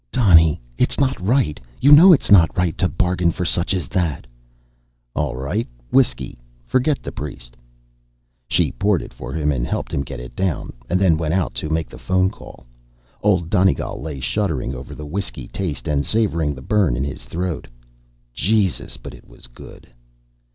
"Donny, it's not right. You know it's not right to bargain for such as that." "All right. Whiskey. Forget the priest." She poured it for him, and helped him get it down, and then went out to make the phone call. Old Donegal lay shuddering over the whiskey taste and savoring the burn in his throat. Jesus, but it was good.